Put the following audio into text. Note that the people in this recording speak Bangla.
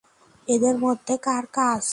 এদের মধ্যে কার কাজ?